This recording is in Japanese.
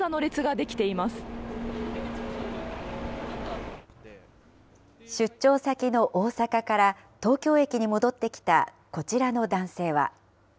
出張先の大阪から、東京駅に戻ってきたこちらの男性は。